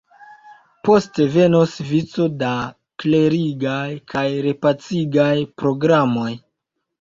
Poste venos vico da klerigaj kaj repacigaj programoj.